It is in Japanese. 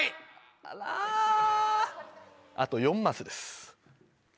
あらあと４マスです